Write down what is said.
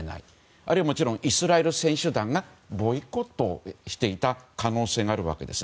あるいは、イスラエル選手団がボイコットをしていた可能性があるわけです。